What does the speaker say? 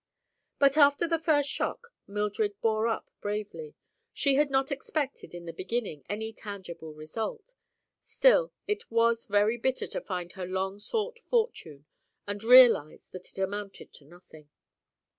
But after the first shock, Mildred bore up bravely. She had not expected, in the beginning, any tangible result; still it was very bitter to find her long sought fortune and realize that it amounted to nothing.